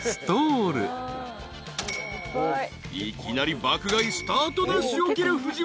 ［いきなり爆買いスタートダッシュを切る藤森］